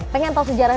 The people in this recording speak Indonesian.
pengen tau sejarah